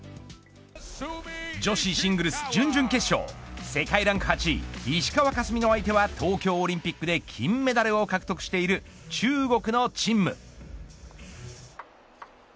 女子シングルス準々決勝世界ランク８位、石川佳純の相手は東京オリンピックで金メダルを獲得している中国の陳夢。